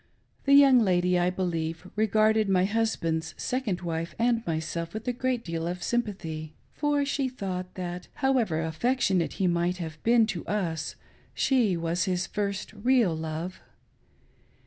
The young lady, I believe, regarded my husband's second wife and myself with a great deal of sympathy ; for she thought that, however affectionate he might have been' to us, she was his first real love.